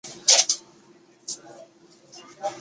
于将军澳设有牙科中心。